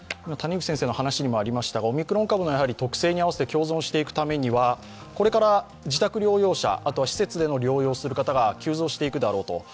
谷口先生の話にもありましたが、オミクロン株の特性に合わせて共存していくためには、これから自宅療養者、あとは施設での療養する方が急増していくであろうと。